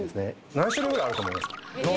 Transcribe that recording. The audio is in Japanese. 何種類ぐらいあると思いますか？